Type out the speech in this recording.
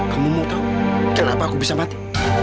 kamu mau tahu kenapa aku bisa mati